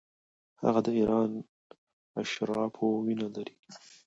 هغه د ایران اشرافو وینه لري.